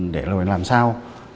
để làm sao